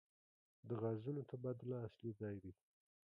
د غازونو تبادله اصلي ځای دی.